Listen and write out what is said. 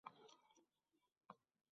Shaxslardan iborat abituriyentlar bor